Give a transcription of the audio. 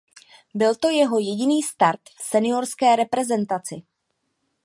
Byl to jeho jediný start v seniorské reprezentaci.